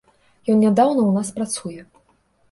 Ён нядаўна ў нас працуе.